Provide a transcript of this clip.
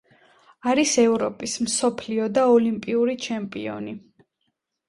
არის ევროპის, მსოფლიო და ოლიმპიური ჩემპიონი.